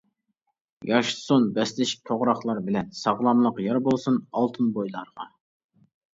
ياشىسۇن بەسلىشىپ توغراقلار بىلەن، ساغلاملىق يار بولسۇن ئالتۇن بويلارغا.